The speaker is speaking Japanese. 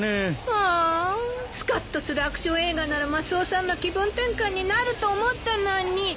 ああスカッとするアクション映画ならマスオさんの気分転換になると思ったのに。